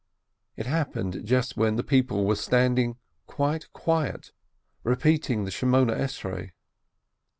It happened just when the people were standing quite quiet, repeating the Eighteen Benedictions.